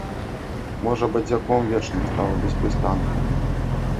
Можа, бадзяком вечным стаў, без прыстанку.